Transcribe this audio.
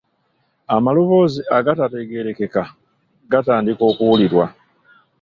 Amaloboozi agatategeerekeka gatandika okuwulirwa.